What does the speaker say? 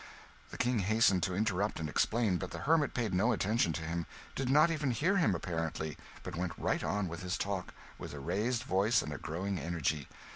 The King hastened to interrupt and explain, but the hermit paid no attention to him did not even hear him, apparently, but went right on with his talk, with a raised voice and a growing energy.